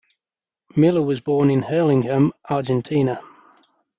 Miller was born in Hurlingham, Argentina.